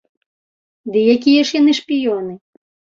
Ды якія ж яны шпіёны?